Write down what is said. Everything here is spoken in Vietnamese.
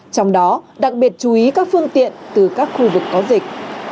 trong đó đặc biệt chú ý các phương tiện từ các khu vực có dịch